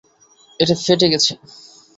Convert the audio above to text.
এটা ফেটে গেছে।